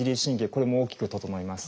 これも大きく整います。